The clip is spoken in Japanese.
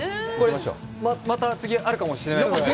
また次あるかもしれないですね。